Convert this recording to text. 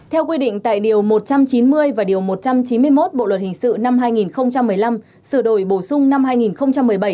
theo quy định tại điều một trăm chín mươi và điều một trăm chín mươi một bộ luật hình sự năm hai nghìn một mươi năm sửa đổi bổ sung năm hai nghìn một mươi bảy